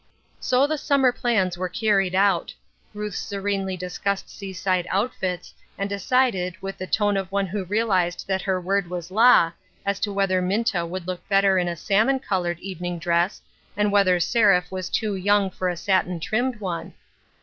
So the summer plans were carried out. Ruth serenely discussed seaside outfits, and decided, with the tone of one who realized that her word was law, as to whether Minta would look better in a salmon colored evening dress, and whether Seraph was too young for a satin trimmed one.